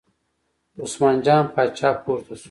عثمان جان پاچا پورته شو.